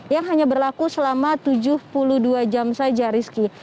yang hanya berlaku selama tujuh puluh dua jam saja rizky